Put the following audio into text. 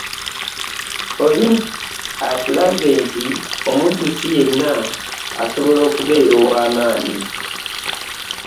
Olympics atulaze nti omuddusi yenna asobola okubeera ow'amaanyi.